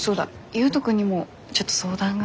悠人君にもちょっと相談が。